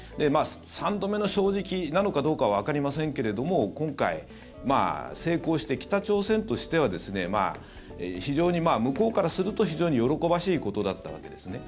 三度目の正直なのかどうかはわかりませんけれども今回、成功して北朝鮮としては非常に向こうからすると喜ばしいことだったわけですね。